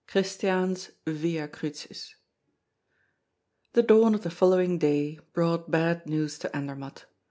Christiane's Via Crucis The dawn of the following day brought bad news to Andermatt.